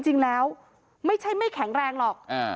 จริงแล้วไม่ใช่ไม่แข็งแรงหรอก